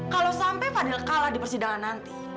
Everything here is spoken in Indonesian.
kalau sampai fadil kalah di persidangan nanti